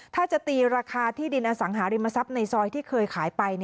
ถ้าจะตีราคาที่ดินอสังหาริมทรัพย์ในซอยที่เคยขายไป